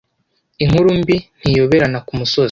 inkuru mbi ntiyoberana ku musozi